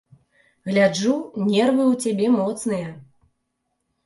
Гляджу, нервы ў цябе моцныя.